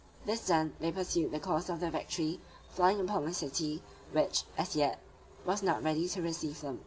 This done, they pursued the course of their victory, falling upon the city, which as yet was not ready to receive them.